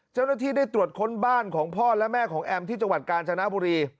เจ้าหน้าที่ได้ตรวจค้นบ้านของพ่อและแม่ของแอมที่จังหวัดกาญจนบุรี